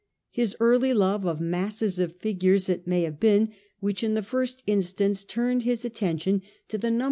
His early love of masses of figures it may have been which in the first instance turned his attention to the number' 1830.